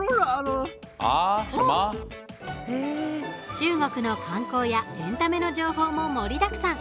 中国の観光やエンタメの情報も盛りだくさん。